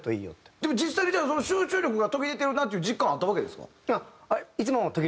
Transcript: でも実際にじゃあ集中力が途切れてるなっていう実感はあったわけですか？